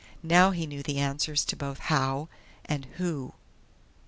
Now he knew the answers to both "How?" and "_Who?